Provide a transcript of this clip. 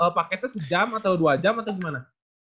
paketnya sejam atau dua jam atau gimana